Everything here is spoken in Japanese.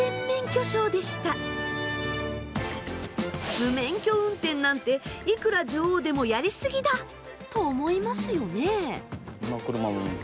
無免許運転なんていくら女王でもやりすぎだと思いますよね？